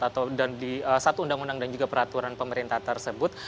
atau di satu undang undang dan juga peraturan pemerintah tersebut